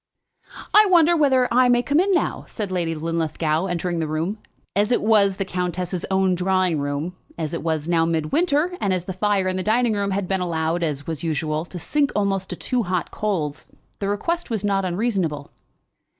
"I wonder whether I may come in now," said Lady Linlithgow, entering the room. As it was the countess's own drawing room, as it was now mid winter, and as the fire in the dining room had been allowed, as was usual, to sink almost to two hot coals, the request was not unreasonable.